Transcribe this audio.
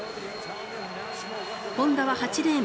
本多は８レーン。